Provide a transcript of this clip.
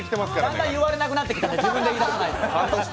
だんだん言われなくなってきたので、自分で言うように。